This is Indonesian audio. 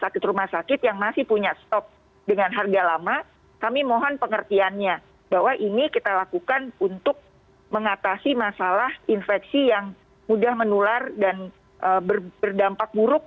jadi bagi rumah sakit rumah sakit yang masih punya stok dengan harga lama kami mohon pengertiannya bahwa ini kita lakukan untuk mengatasi masalah infeksi yang mudah menular dan berdampak buruk ya apabila pemeriksaan tidak dilakukan